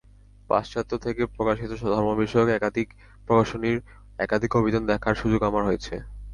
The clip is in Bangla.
পাশ্চাত্য থেকে প্রকাশিত ধর্মবিষয়ক একাধিক প্রকাশনীর একাধিক অভিধান দেখার সুযোগ আমার হয়েছে।